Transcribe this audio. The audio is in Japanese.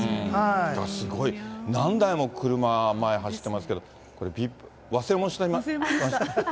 だからすごい、何台も車、前走ってますけど、これ、忘れ物した？